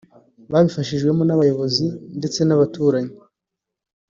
Babifashijwemo n’abayobozi ariko ndetse n’abaturanyi